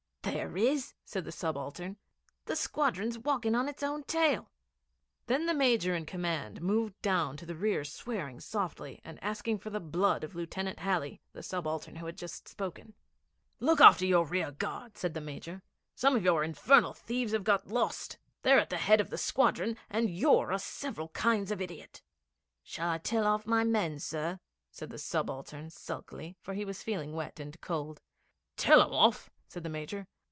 'There is,' said the subaltern. 'The squadron's walking on it's own tail.' Then the Major in command moved down to the rear swearing softly and asking for the blood of Lieutenant Halley the subaltern who had just spoken. 'Look after your rearguard,' said the Major. 'Some of your infernal thieves have got lost. They're at the head of the squadron, and you're a several kinds of idiot.' 'Shall I tell off my men, sir?' said the subaltern sulkily, for he was feeling wet and cold. 'Tell 'em off!' said the Major.